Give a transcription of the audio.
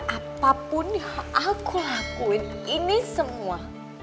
apapun yang aku lakuin ini semua